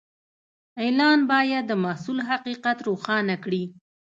اعلان باید د محصول حقیقت روښانه کړي.